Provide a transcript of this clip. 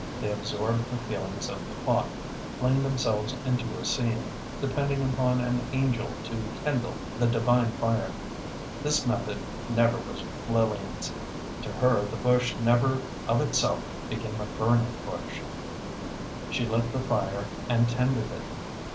They absorb the feeling of the plot, fling themselves into a scene, depending upon an angel to kindle the divine fire. This method never was Lillian's. To her, the bush never of itself became a burning bush. She lit the fire and tended it.